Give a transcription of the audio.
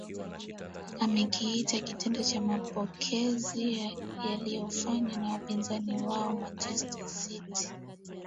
amekiita kitendo cha mapokezi yaliofanywa na wapinzani wao manchester city